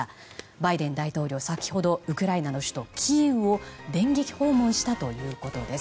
バイデン大統領先ほどウクライナの首都キーウを電撃訪問したということです。